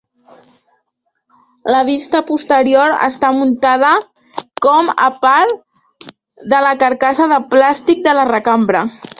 La vista posterior està muntada com a part de la carcassa de plàstic de la recambra.